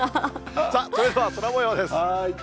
それでは空もようです。